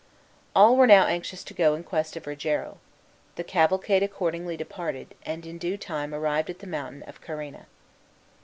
All were now anxious to go in quest of Rogero. The cavalcade accordingly departed, and in due time arrived at the mountain of Carena.